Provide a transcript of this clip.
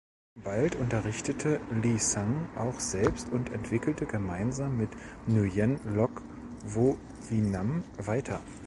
Bald unterrichtete Le Sang auch selbst und entwickelte gemeinsam mit Nguyen Loc Vovinam weiter.